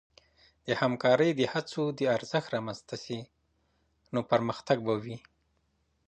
د همکارۍ د هڅو د ارزښت رامنځته سي، نو پرمختګ به وي.